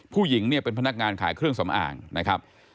ผู้หญิงเนี่ยเป็นพนักงานขายเครื่องสำอางนะครับ